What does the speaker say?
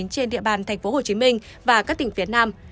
trên địa bàn thành phố hồ chí minh và các tỉnh phía nam